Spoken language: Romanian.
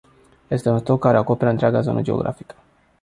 Este un stoc care acoperă întreaga zonă geografică.